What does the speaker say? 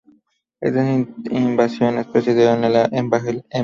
Estas invasiones precedieron a la evangelización.